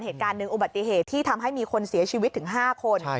เหตุการณ์หนึ่งอุบัติเหตุที่ทำให้มีคนเสียชีวิตถึง๕คน